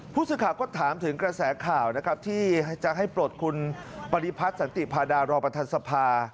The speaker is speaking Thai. ผู้สื่อข่าวก็ถามถึงกระแสข่าวนะครับที่จะให้ปลดคุณปฏิพัฒน์สันติพาดารอประธานสภา